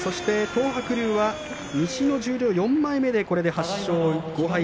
東白龍、西の十両４枚目これで８勝５敗。